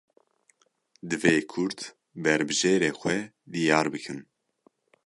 Divê Kurd berbijêrê xwe diyar bikin.